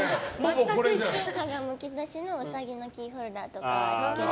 歯がむき出しのウサギのキーホルダーとか。